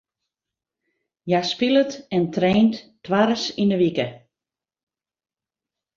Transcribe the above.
Hja spilet en traint twaris yn de wike.